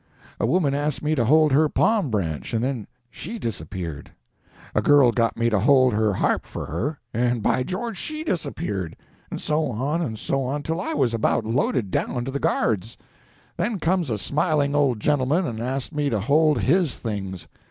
A woman asked me to hold her palm branch, and then she disappeared. A girl got me to hold her harp for her, and by George, she disappeared; and so on and so on, till I was about loaded down to the guards. Then comes a smiling old gentleman and asked me to hold his things.